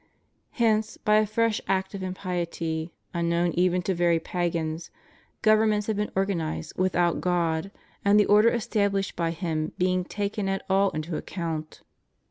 Hence by a fresh act of impiety, unknown even to very pagans, governments have been organized without God and the order established by Him being taken at all into account.